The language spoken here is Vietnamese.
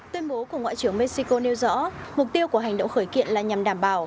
tuyên bố của ngoại trưởng mexico nêu rõ mục tiêu của hành động khởi kiện là nhằm đảm bảo